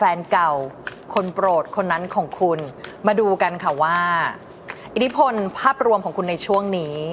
แฟนเก่าคนโปรดคนนั้นของคุณมาดูกันค่ะว่าอิทธิพลภาพรวมของคุณในช่วงนี้